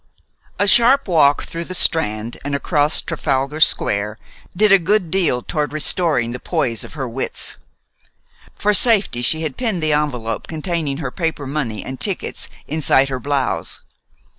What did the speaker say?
A sharp walk through the Strand and across Trafalgar Square did a good deal toward restoring the poise of her wits. For safety, she had pinned the envelop containing her paper money and tickets inside her blouse.